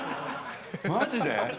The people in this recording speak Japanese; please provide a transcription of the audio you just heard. マジで。